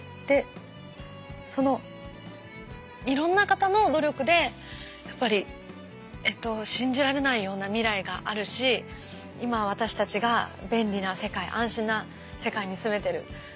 でそのいろんな方の努力でやっぱりえっと信じられないような未来があるし今私たちが便利な世界安心な世界に住めてる。